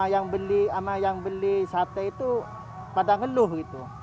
yang beli sama yang beli sate itu pada ngenduh gitu